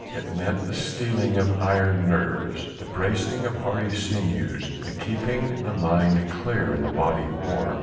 It meant the steeling of iron nerves, the bracing of hardy sinews, the keeping the mind clear and the body warm.